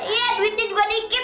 iya duitnya juga dikit